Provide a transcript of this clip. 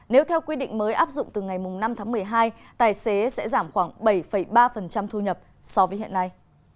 nếu theo quy định mới áp dụng từ ngày năm tháng một mươi hai tài xế sẽ giảm khoảng bảy ba thu nhập so với hiện nay